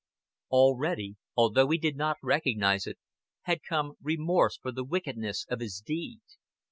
Already, although he did not recognize it, had come remorse for the wickedness of his deed.